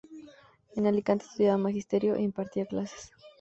En Alicante estudiaba magisterio e impartía clases.